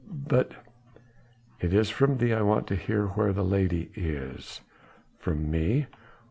"But " "It is from thee I want to hear where the lady is." "From me?"